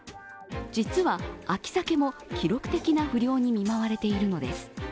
実は、秋鮭も記録的な不漁に見舞われているのです。